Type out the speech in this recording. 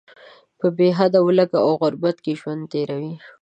په بې حده ولږې او غربت کې ژوند تیروي.